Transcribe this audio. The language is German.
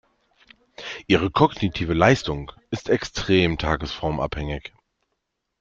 Ihre kognitive Leistung ist extrem tagesformabhängig.